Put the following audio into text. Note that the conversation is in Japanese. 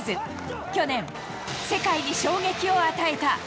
去年、世界に衝撃を与えた。